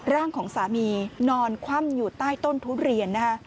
ร่างของสามีนอนคว่ำอยู่ใต้ต้นทุเรียนนะคะ